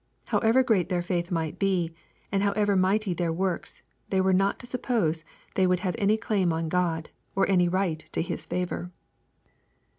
However great their faith might be, and however mighty their works, they were not to suppose they would have any claim on God, or any right to His &vor.